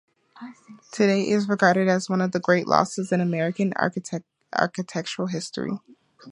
Today, it is regarded as one of the great losses in American architectural history.